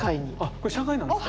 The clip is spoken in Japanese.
これ社会なんですか？